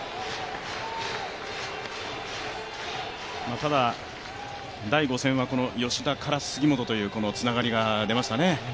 ただ、第５戦は吉田から杉本とというつながりが出ましたね。